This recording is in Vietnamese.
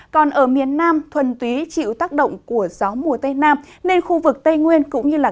còn ở miền nam thuần túy chịu tác động của gió mùa tây nam nên khu vực tây nguyên cũng như là